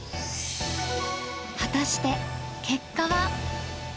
果たして結果は？